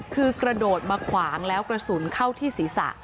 คือกระโดดมาขวางแล้วกระสุนเข้าที่ศีรษะ